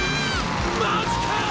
マジかよ！